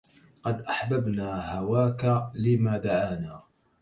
قد أجبنا هواك لما دعانا